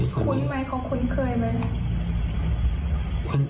คุ้นไหมเขาคุ้นเคยไหม